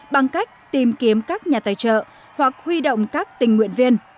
bằng cách tìm kiếm các nhà tài trợ hoặc huy động các tình nguyện viên